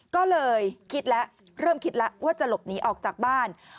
ก็เลยคิดแล้วเริ่มคิดแล้วว่าจะหลบหนีออกจากบ้าน